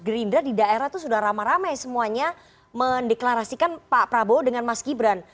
sepertinya kok udah tahu kalau misalnya pak prabowo itu sudah ramai ramai semuanya mendeklarasikan pak prabowo dengan mas gibran